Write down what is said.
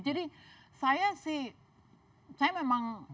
jadi saya sih saya memang